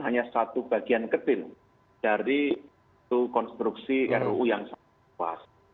hanya satu bagian ke til dari itu konstruksi ruu yang sangat luas